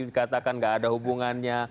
dikatakan tidak ada hubungannya